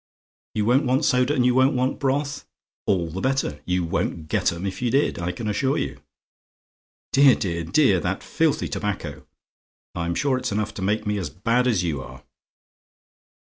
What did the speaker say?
"YOU WON'T WANT SODA, AND YOU WON'T WANT BROTH? All the better. You wouldn't get 'em if you did, I can assure you. Dear, dear, dear! That filthy tobacco! I'm sure it's enough to make me as bad as you are.